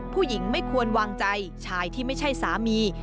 ผู้หญิงไม่ควรวางใจชายที่ไม่ใช่สามี